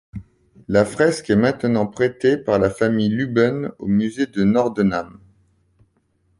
La fresque est maintenant prêtée par la famille Lübben au musée de Nordenham.